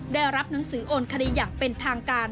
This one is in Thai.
ได้รับหนังสือโอนคดีอย่างเป็นทางการ